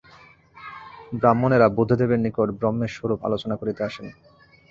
ব্রাহ্মণেরা বুদ্ধদেবের নিকট ব্রহ্মের স্বরূপ আলোচনা করিতে আসেন।